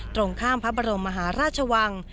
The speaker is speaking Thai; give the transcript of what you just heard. ตรงข้ามพระบรมมหาราชวัง